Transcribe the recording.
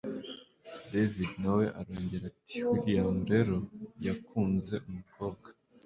david nawe arongera ati william rero yakunze umukobwa